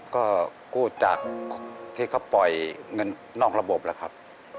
ก็กู้จากที่เขาปล่อยเงินนอกระบบแล้วครับ